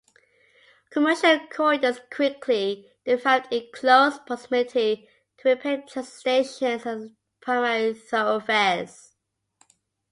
Commercial corridors quickly developed in close proximity to rapid transit stations and primary thoroughfares.